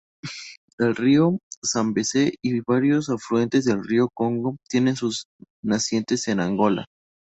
El río Zambeze y varios afluentes del río Congo tienen sus nacientes en Angola.